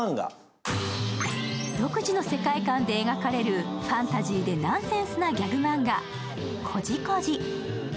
独自の世界観で描かれるファンタジーでナンセンスなギャグマンガ「ＣＯＪＩ−ＣＯＪＩ」。